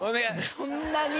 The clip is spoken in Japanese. そんなに？